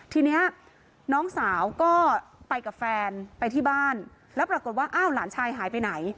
ทีนี้น้องสาวก็ไปกับแฟนไปที่บ้านแล้วปรากฏว่าอ้าวหลานชายหายไปไหน